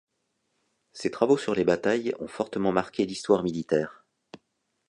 Ses travaux sur les batailles ont fortement marqué l'histoire militaire.